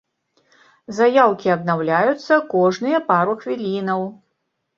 Заяўкі абнаўляюцца кожныя пару хвілінаў.